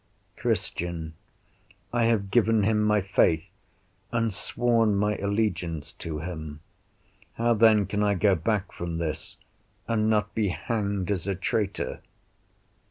Christian I have given him my faith, and sworn my allegiance to him: how then can I go back from this, and not be hanged as a traitor?